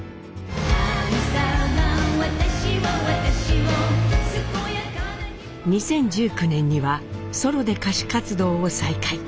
神様私は私を健やかな日２０１９年にはソロで歌手活動を再開。